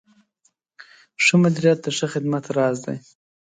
ښه مدیریت د ښه خدمت راز دی.